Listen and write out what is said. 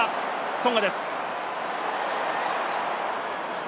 トンガです。